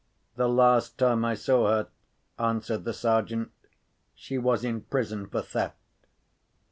"The last time I saw her," answered the Sergeant, "she was in prison for theft."